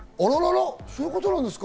そういうことなんですか？